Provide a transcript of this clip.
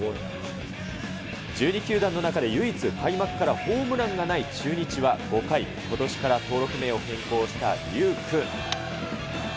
１２球団の中で唯一、開幕からホームランがない中日は５回、ことしから登録名を変更した龍空。